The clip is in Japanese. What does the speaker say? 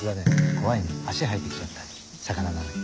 怖いね足生えて来ちゃった魚なのに。